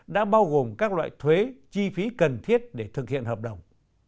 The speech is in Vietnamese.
đã bao gồm các loại thuế chi phí cần thiết để thực hiện hợp đồng